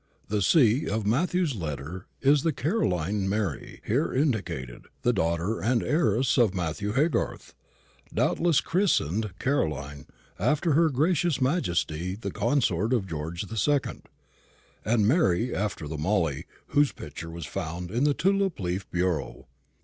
The C. of Matthew's letters is the Caroline Mary here indicated, the daughter and heiress of Matthew Haygarth doubtless christened Caroline after her gracious majesty the consort of George II., and Mary after the Molly whose picture was found in the tulip leaf bureau.